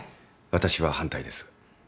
私は反対です。